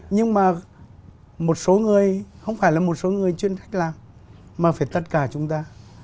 nhưng mà một số người không phải là một số người chuyên thích làm mà phải tất cả chúng ta